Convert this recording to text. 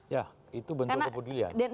ya itu bentuk kebudulian